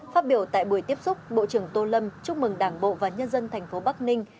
phát biểu tại buổi tiếp xúc bộ trưởng tô lâm chúc mừng đảng bộ và nhân dân thành phố bắc ninh